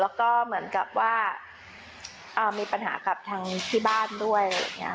แล้วก็เหมือนกับว่ามีปัญหากับทางที่บ้านด้วย